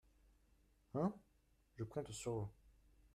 Hein ? je compte sur vous.